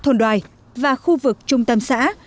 thuận đoài và khu vực trung tâm xã